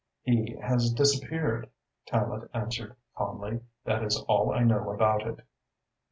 "He has disappeared," Tallente answered calmly. "That is all I know about it."